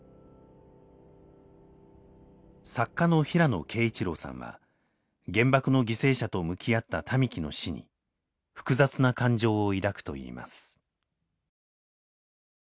作家の平野啓一郎さんは原爆の犠牲者と向き合った民喜の死に複雑な感情を抱くと言います。